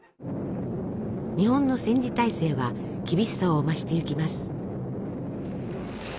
日本の戦時体制は厳しさを増していきます。